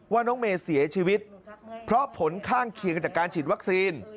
ว่าน้องเมย์เสียชีวิตเพราะผลข้างเคียงจากการฉีดวัคซีน